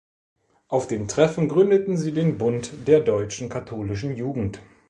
Auf dem Treffen gründeten sie den Bund der Deutschen Katholischen Jugend.